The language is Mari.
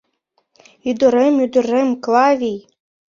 Ӱдырем, ӱдырем, Клавий!